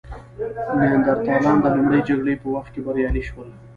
نیاندرتالان د لومړۍ جګړې په وخت کې بریالي شول.